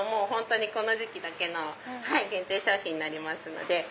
この時期だけの限定商品になりますので。